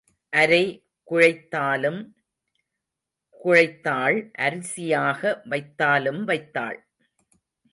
அரை குழைத்தாலும் குழைத்தாள் அரிசியாக வைத்தாலும் வைத்தாள்.